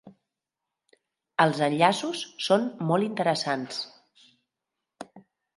Els enllaços són molt interessants.